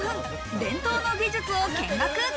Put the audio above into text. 伝統の技術を見学。